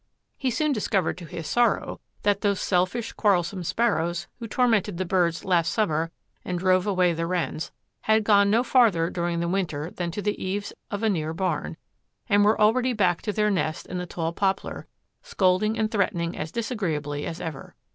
He soon discovered to his sorrow that those selfish, quarrelsome sparrows who tormented the birds last summer and drove away the wrens, had gone no farther during the winter than to the eaves of a near barn, and were already back to their nest in the tall poplar, scolding and threatening as disagreeably as ever.